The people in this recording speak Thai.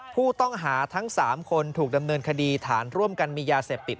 ผู้ต้องหาทั้ง๓คนถูกดำเนินคดีฐานร่วมกันมียาเสพติด